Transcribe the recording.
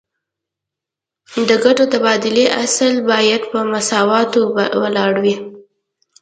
د ګټو د تبادلې اصل باید په مساواتو ولاړ وي